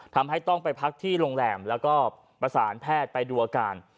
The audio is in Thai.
ทำให้ต้องไปพักที่โรงแรมแล้วก็ประสานแพทย์ไปดูอาการ